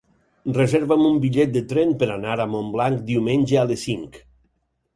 Reserva'm un bitllet de tren per anar a Montblanc diumenge a les cinc.